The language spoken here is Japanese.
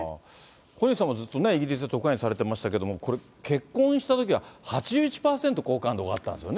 小西さんはずっとイギリスで特派員されてましたけど、結婚したときは８１％好感度があったんですよね。